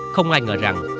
không ai ngờ rằng